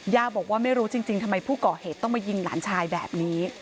บอกว่าไม่รู้จริงทำไมผู้ก่อเหตุต้องมายิงหลานชายแบบนี้